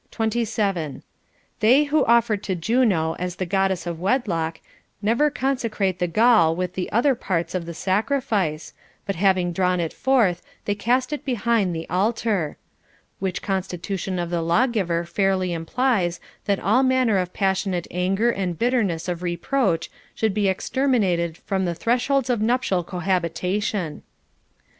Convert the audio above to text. They who offer to Juno as the Goddess of Wedlock never consecrate the gall with the other parts of the sacri fice, but having drawn it forth, they cast it behind the altar. Which constitution of the lawgiver fairly implies that all manner of passionate anger and bitterness of re proach should be exterminated from the thresholds of nuptial cohabitation.